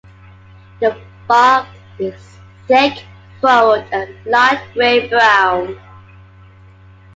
The bark is thick, furrowed, and light gray-brown.